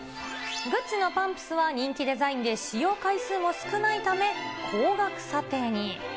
グッチのパンプスは人気デザインで、使用回数も少ないため、高額査定に。